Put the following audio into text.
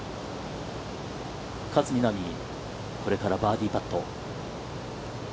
勝みなみ、これからバーディーパット。